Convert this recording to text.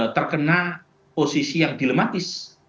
terkena posisi yang dilematis